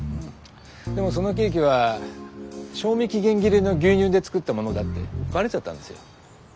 でもそのケーキは賞味期限切れの牛乳で作ったものだってバレちゃったんですよ。